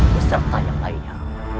beserta yang lainnya